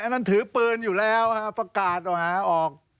อันนั้นถือปืนอยู่แล้วฝากการออก